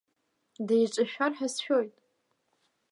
Деиҿышәшәар ҳәа сшәоит.